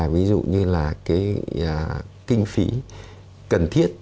ví dụ như là cái kinh phí cần thiết